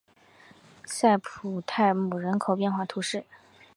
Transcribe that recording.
塞普泰姆人口变化图示